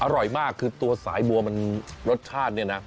อร่อยมากคือตัวสายบัวมันรสชาติเนี่ยนะ